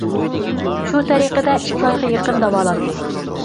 شۇ تەرىقىدە ئىككى ئايغا يېقىن داۋالاندى.